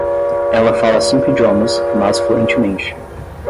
Ela fala cinco idiomas, mas fluentemente.